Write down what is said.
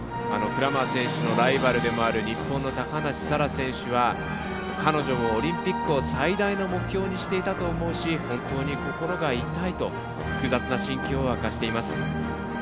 クラマー選手のライバルでもある日本の高梨沙羅選手は「彼女もオリンピックを最大の目標にしていたと思うし本当に心が痛い」と複雑な心境を明かしています。